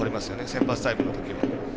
先発タイプのとき。